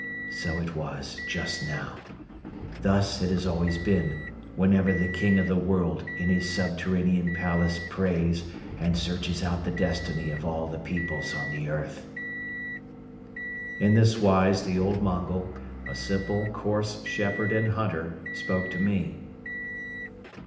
So it was just now. Thus it has always been whenever the King of the World in his subterranean palace prays and searches out the destiny of all peoples on the earth." In this wise the old Mongol, a simple, coarse shepherd and hunter, spoke to me.